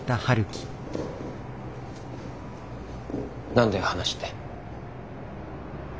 何だよ話って。